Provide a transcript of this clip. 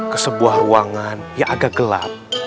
ke sebuah ruangan yang agak gelap